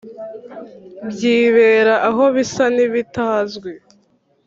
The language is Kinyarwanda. byibera aho bisa n'ibitazwi.